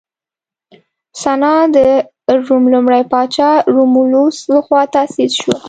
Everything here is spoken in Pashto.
سنا د روم لومړي پاچا رومولوس لخوا تاسیس شوه